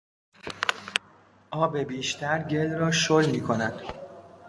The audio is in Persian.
آب بیشتر گل را شل میکند.